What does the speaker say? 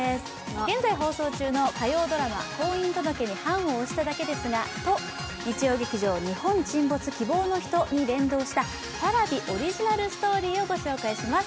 現在放送中の火曜ドラマ「婚姻届に判を捺しただけですが」と日曜劇場「日本沈没−希望のひと−」に連動したＰａｒａｖｉオリジナルストーリーをご紹介します。